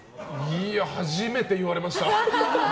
いや、初めて言われました。